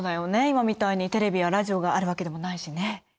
今みたいにテレビやラジオがあるわけでもないしね。